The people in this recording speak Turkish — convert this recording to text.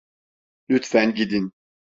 Lütfen gidin!